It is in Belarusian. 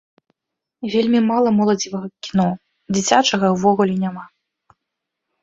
Вельмі мала моладзевага кіно, дзіцячага ўвогуле няма.